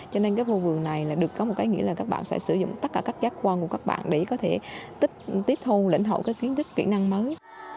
cho nên cái khu vườn này là được có một cái nghĩa là các bạn sẽ sử dụng tất cả các giác quan của các bạn để có thể tiếp thu lĩnh hội các kiến thức kỹ năng mới